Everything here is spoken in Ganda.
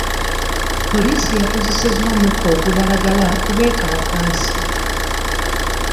Poliisi yakozesa omukka ogubalagala ku beekalakaasi.